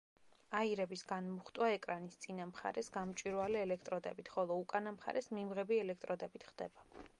აირების განმუხტვა ეკრანის წინა მხარეს გამჭვირვალე ელექტროდებით, ხოლო უკანა მხრეს მიმღები ელექტროდებით ხდება.